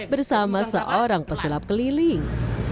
bersama seorang pesulap keliling